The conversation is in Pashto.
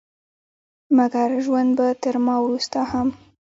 مګر ژوند به تر ما وروسته هم